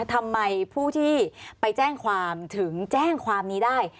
ทำไมผู้ที่ไปแจ้งความถึงแจ้งความนี้ได้